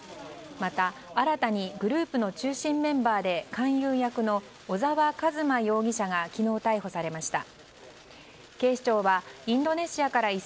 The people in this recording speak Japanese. また、新たにグループの中心メンバーで勧誘役の小沢一真容疑者が昨日、逮捕されました。